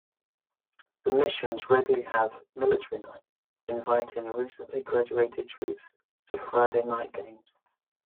The Missions regularly have "Military Night", inviting recently graduated troops to Friday night games.